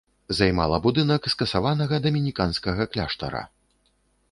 Займала будынак скасаванага дамініканскага кляштара.